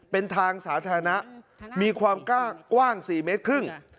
เป็นทางสาธารณะมีความกว้าง๔เมตรครึ่ง